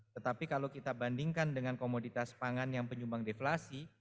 tetapi kalau kita bandingkan dengan komoditas pangan yang penyumbang deflasi